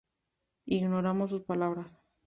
Ignoramos sus palabras.